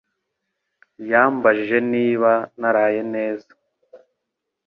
Yambajije niba naraye neza